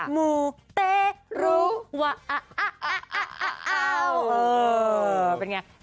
มูเตรูวาเออเป็นไง